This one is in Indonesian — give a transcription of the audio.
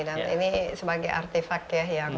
dan ini sebagai artefak